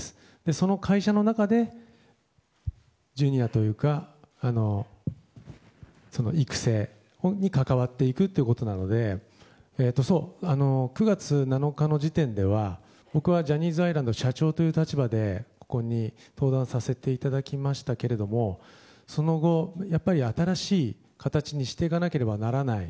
その会社の中でＪｒ．というか育成に関わっていくということなので９月７日時点では僕はジャニーズアイランド社長という立場でここに登壇させていただきましたけどもその後、やはり新しい形にしていかなければならない。